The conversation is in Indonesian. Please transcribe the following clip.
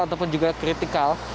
ataupun juga kritikal